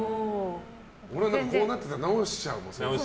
俺、こうなってたら直しちゃうもん。